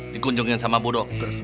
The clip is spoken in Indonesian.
dikunjungin sama bu dokter